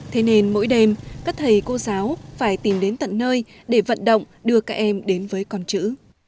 thế nên mỗi đêm các thầy cô giáo phải tìm đến tận nơi để vận động đưa các em đến với con chữ